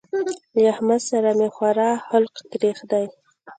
له احمد سره مې خورا حلق تريخ دی.